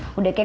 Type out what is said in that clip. tapi dulu ini